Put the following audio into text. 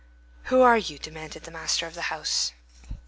"Who are you?" demanded the master of the house.